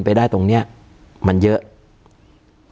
การแสดงความคิดเห็น